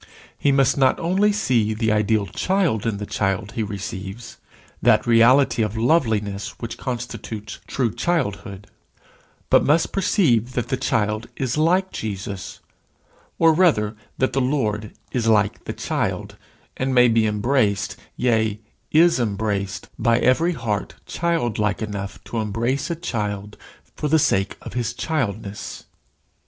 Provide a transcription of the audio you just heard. He must not only see the ideal child in the child he receives that reality of loveliness which constitutes true childhood, but must perceive that the child is like Jesus, or rather, that the Lord is like the child, and may be embraced, yea, is embraced, by every heart childlike enough to embrace a child for the sake of his childness.